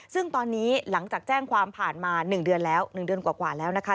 ซึ่งตอนนี้หลังจากแจ้งความผ่านมา๑เดือนแล้ว๑เดือนกว่าแล้วนะคะ